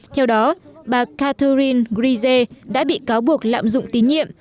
theo đó bà catherine grisey đã bị cáo buộc lạm dụng tín nhiệm